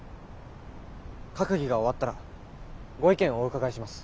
閣議が終わったらご意見をお伺いします。